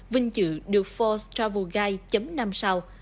vinh chữ được forbes travel guide chấm năm sao